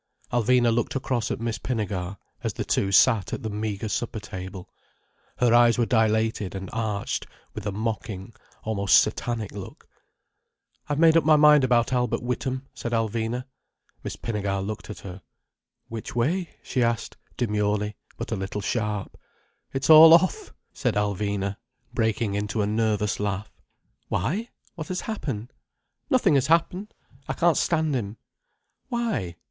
Alvina looked across at Miss Pinnegar, as the two sat at the meagre supper table. Her eyes were dilated and arched with a mocking, almost satanic look. "I've made up my mind about Albert Witham," said Alvina. Miss Pinnegar looked at her. "Which way?" she asked, demurely, but a little sharp. "It's all off," said Alvina, breaking into a nervous laugh. "Why? What has happened?" "Nothing has happened. I can't stand him." "Why?